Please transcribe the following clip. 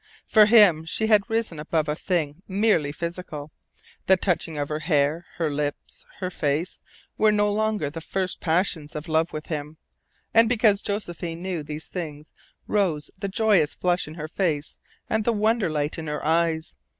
For him she had risen above a thing merely physical. The touching of her hair, her lips, her face, were no longer the first passions of love with him. And because Josephine knew these things rose the joyous flush in her face and the wonder light in her eyes.